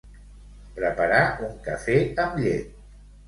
Preparar un cafè amb llet.